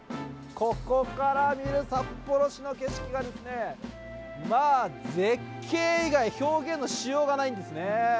ここから見る札幌市の景色が、まあ、絶景以外表現のしようがないんですね。